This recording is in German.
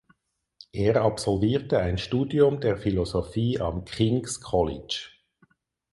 Er absolvierte ein Studium der Philosophie am King’s College.